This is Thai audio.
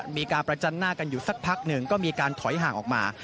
มีการประจันหน้ากันอยู่สักพักหนึ่งก็มีการถอยห่างออกมา